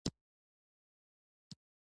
تاله او برفک کانونه لري؟